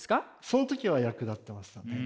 その時は役立ってましたね。